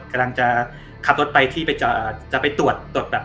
กำลังจะขับรถไปที่จะไปตรวจ